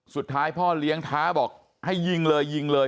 สุดท้ายพ่อเลี้ยงท้าบอกให้ยิงเลยยิงเลย